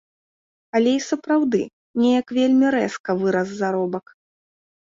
Але і сапраўды, неяк вельмі рэзка вырас заробак.